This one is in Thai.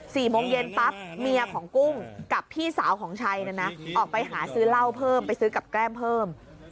๔โมงเย็นปั๊บเมียของกุ้งกับพี่สาวของชัยเนี่ยนะออกไปหาซื้อเหล้าเพิ่มไปซื้อกับแก้มเพิ่ม